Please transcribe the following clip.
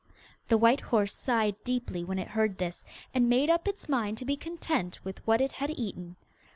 The white horse sighed deeply when it heard this, and made up its mind to be content with what it had eaten.